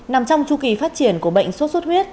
nằm trong chú kỳ phát triển của bệnh suốt suốt huyết